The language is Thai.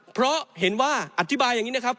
เพราะเห็นว่าอธิบายอย่างนี้นะครับ